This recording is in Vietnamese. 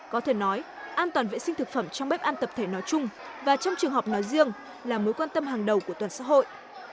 có thể nói an toàn vệ sinh thực phẩm trong bếp ăn tập thể nói chung và trong trường học nói riêng là mối quan tâm hàng đầu của toàn xã hội